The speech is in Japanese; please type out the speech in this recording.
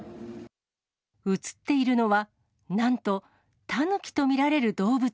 映っているのは、なんとタヌキと見られる動物。